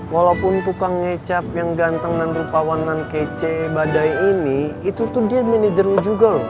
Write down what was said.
walaupun tukang ngecap yang ganteng dan rupa wanan kece badai ini itu tuh dia manajer lu juga loh